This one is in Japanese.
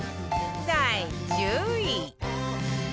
第１０位